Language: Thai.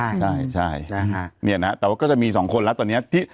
เนี่ยนะแต่ว่าก็จะมีสองคนละตอนนี้